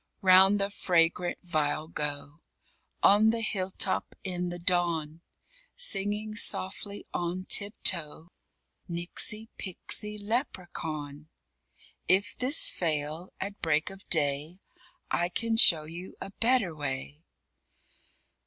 _Round the fragrant vial go, On the hill top, in the dawn, Singing softly, on tip toe, "Nixie pixie leprechaun!" If this fail, at break of day, I can show you a better way.